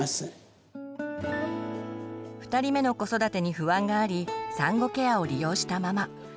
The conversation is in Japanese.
２人目の子育てに不安があり産後ケアを利用したママ。